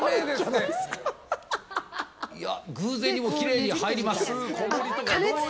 偶然にもきれいに入ります。